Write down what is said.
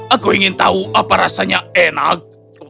aku ingin tahu apa rasanya enak